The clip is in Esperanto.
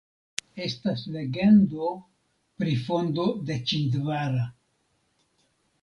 Estas legendo pri fondo de Ĉindvara.